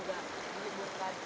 udah libur lah